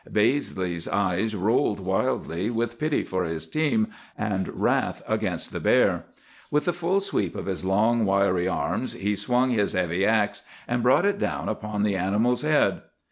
Baizley's eyes rolled wildly, with pity for his team and wrath against the bear. With the full sweep of his long, wiry arms, he swung his heavy axe and brought it down upon the animal's head.